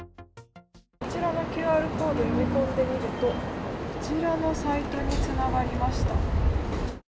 こちらのＱＲコード読み込んでみるとこちらのサイトにつながりました。